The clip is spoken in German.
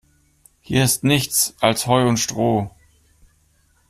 Hier ist nichts als Heu und Stroh.